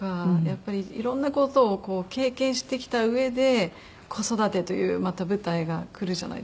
やっぱりいろんな事を経験してきたうえで子育てというまた舞台がくるじゃないですか。